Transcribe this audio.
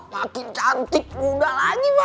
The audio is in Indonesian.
makin cantik muda lagi pak